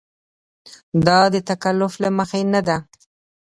دا د تکلف له مخې نه ده.